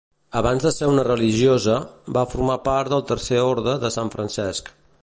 Abans de ser una religiosa, va formar part del Tercer Orde de Sant Francesc.